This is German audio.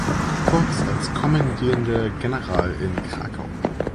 Korps als Kommandierender General in Krakau.